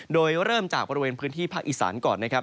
โดยเริ่มจากบริเวณพื้นที่ภาคอีสานก่อนนะครับ